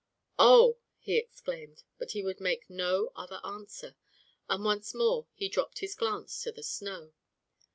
"Oh!" he exclaimed. But he would make no other answer, and once more he dropped his glance to the snow.